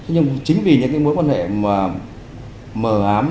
nhưng chính vì những mối quan hệ mờ ám